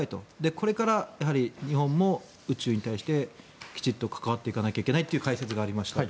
これからやはり、日本も宇宙に対してきちんと関わっていかないといけないという解説がありましたと。